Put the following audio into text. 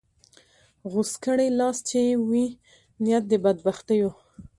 غوڅ کړې لاس چې یې وي نیت د بدبختیو